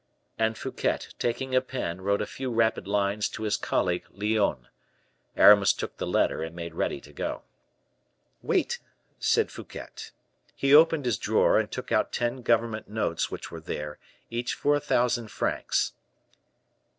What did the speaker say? And Fouquet, taking a pen, wrote a few rapid lines to his colleague Lyonne. Aramis took the letter and made ready to go. "Wait," said Fouquet. He opened his drawer, and took out ten government notes which were there, each for a thousand francs.